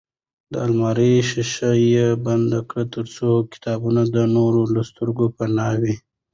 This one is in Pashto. د المارۍ ښیښه یې بنده کړه ترڅو کتابونه د نورو له سترګو پناه وي.